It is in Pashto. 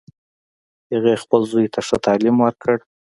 هغې خپل زوی ته ښه تعلیم ورکړ